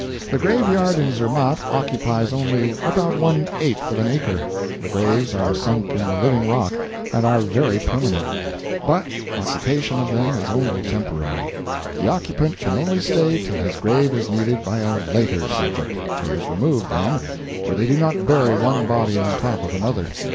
The graveyard in Zermatt occupies only about one eighth of an acre. The graves are sunk in the living rock, and are very permanent; but occupation of them is only temporary; the occupant can only stay till his grave is needed by a later subject, he is removed, then, for they do not bury one body on top of another.